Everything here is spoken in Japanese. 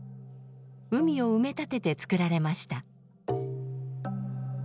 海を埋め立ててつくられました。